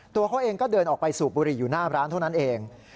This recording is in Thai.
ตัวเขาเองก็เดินออกไปสูบบุหรี่อยู่หน้าร้านเท่านั้นเอง